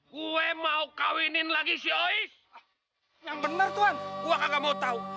gua kagak mau tau